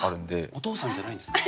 お父さんじゃないんですか？